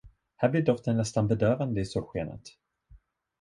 Här blir doften nästan bedövande i solskenet.